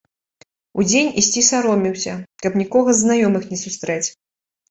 Удзень ісці сароміўся, каб нікога з знаёмых не сустрэць.